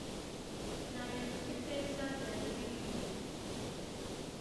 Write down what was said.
Nta bintu by’ifeza byari biriho